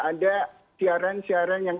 ada siaran siaran yang